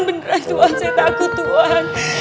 beneran tuhan saya takut tuhan